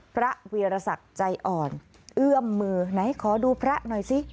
พระวีรศักดิ์ใจอ่อนเอื้อมมือไหนขอดูพระหน่อยสิ